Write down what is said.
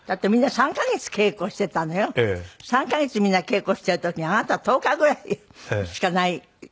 ３カ月みんな稽古してる時にあなたは１０日ぐらいしかない時にね。